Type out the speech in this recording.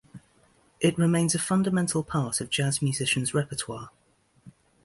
It remains a fundamental part of jazz musicians' repertoire.